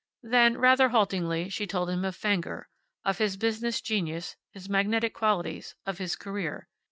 Then, rather haltingly, she told him of Fenger, of his business genius, his magnetic qualities, of his career.